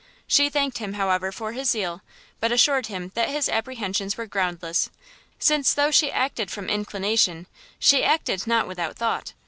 She thanked him, however, for his zeal, but assured him his apprehensions were groundless, since though she acted from inclination, she acted not without thought.